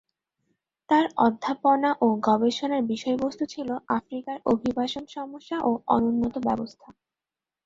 তার অধ্যাপনা ও গবেষণার বিষয়বস্তু ছিল আফ্রিকার অভিবাসন সমস্যা ও অনুন্নত ব্যবস্থা।